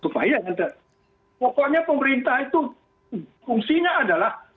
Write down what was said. pokoknya pemerintah itu fungsinya adalah